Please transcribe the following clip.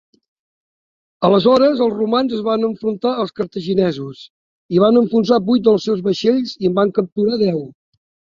Aleshores, els romans es van enfrontar als cartaginesos, i van enfonsar vuit dels seus vaixells i en van capturar deu